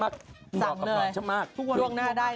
สั่งเลยทุกวันจะสั่งของออนไลน์ต้องเช็คดี